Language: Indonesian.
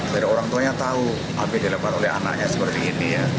biar orang tuanya tahu apa yang dilakukan oleh anaknya seperti ini ya